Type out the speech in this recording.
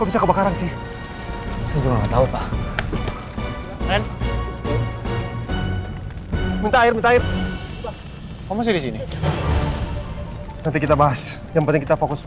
semoga kita diberi keselamatan ya bu